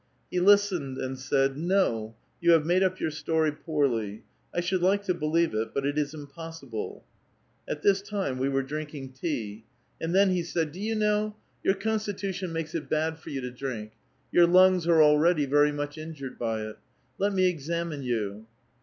He listened, and said :' No ; you have made up your story poorly. I should like to believe it, but it is impossible.' At this time we were drinking tea. And then he said :' Do you know, A VITAL QUESTION. 213 yonr constitution makes it bad for ^ ou to drink ? Your lungs are already very much injured by it. Let me examine you.'